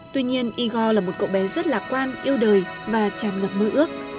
tuy nhiên igor là một cậu bé rất lạc quan yêu đời và tràn ngập mưu ước